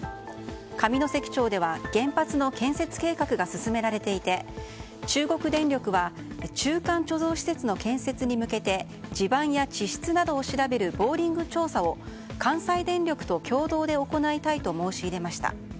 上関町では原発の建設計画が進められていて中国電力は中間貯蔵施設の建設に向けて地盤や地質などを調べるボーリング調査を関西電力と共同で行いたいと申し入れました。